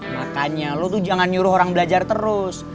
makanya lo tuh jangan nyuruh orang belajar terus